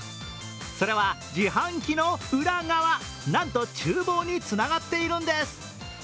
それは自販機の裏側、なんとちゅう房につながっているんです。